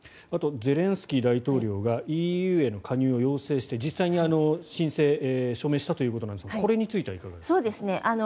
あとゼレンスキー大統領がＥＵへの加入を要請して実際に申請署名したということですがこれについてはいかがですか。